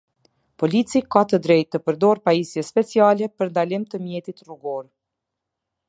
Polici ka të drejtë të përdorë pajisje speciale për ndalim të mjetit rrugor.